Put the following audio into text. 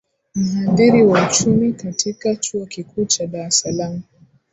mhadhiri wa uchumi katika chuo kikuu cha dar es salaam